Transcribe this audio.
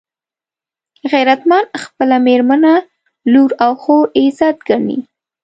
غیرتمند خپله مېرمنه، لور او خور عزت ګڼي